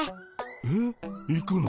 えっ行くの？